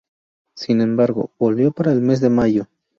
Sin embargo, volvió para el mes de mayo.